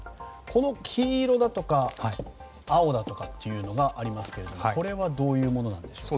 黄色だとか青だとかというのがありますけれどもこれはどういうものなんですか。